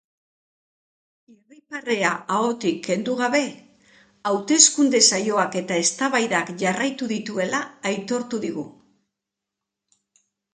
Irribarrea ahotik kendu gabe, hauteskunde saioak eta eztabaidak jarraitu dituela aitortu digu.